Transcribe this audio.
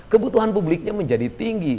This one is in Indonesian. kebutuhan publiknya menjadi tinggi